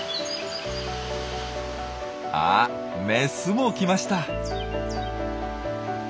あっメスも来ました。